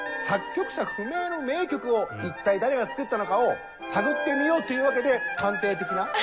作曲者不明の名曲を一体誰が作ったのかを探ってみようというわけで探偵的な。